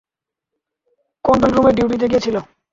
কন্ট্রোল-রুমে ডিউটিতে কে ছিলো?